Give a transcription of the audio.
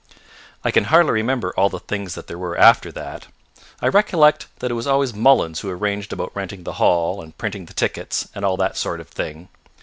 I can hardly remember all the things that there were after that. I recollect that it was always Mullins who arranged about renting the hall and printing the tickets and all that sort of thing.